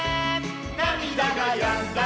「なみだがやんだら」